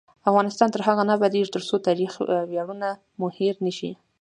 افغانستان تر هغو نه ابادیږي، ترڅو تاریخي ویاړونه مو هیر نشي.